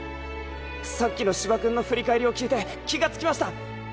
さっきの司波君の振り返りを聞いて気がつきました。